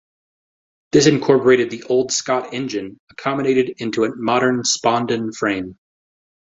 This incorporated the old Scott engine accommodated into a modern Spondon frame.